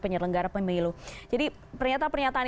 penyelenggara pemilu jadi pernyataan pernyataan